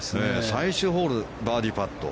最終ホール、バーディーパット。